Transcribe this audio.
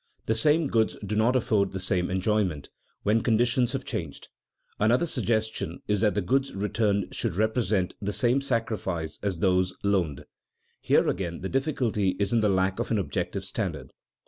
The same goods do not afford the same enjoyment when conditions have changed. Another suggestion is that the goods returned should represent the same sacrifice as those loaned. Here again the difficulty is in the lack of an objective standard.